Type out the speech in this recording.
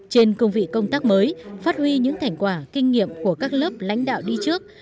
trên công vị công tác mới phát huy những thành quả kinh nghiệm của các lớp lãnh đạo đi trước